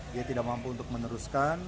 dia tidak mampu untuk meneruskan